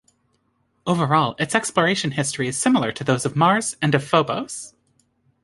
Overall, its exploration history is similar to those of Mars and of Phobos.